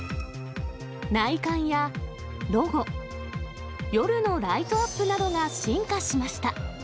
内観やロゴ、夜のライトアップなどが進化しました。